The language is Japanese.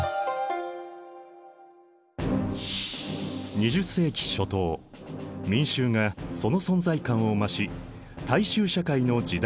２０世紀初頭民衆がその存在感を増し大衆社会の時代を迎えた。